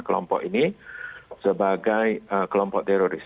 kelompok ini sebagai kelompok teroris